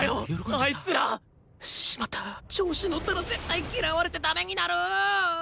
あいつら！しまった調子のったら絶対嫌われて駄目になるぅ。